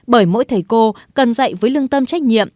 bởi mỗi thầy cô cần dạy với lương tâm trách nhiệm